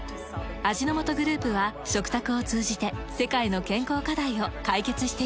味の素グループは食卓を通じて世界の健康課題を解決していきます。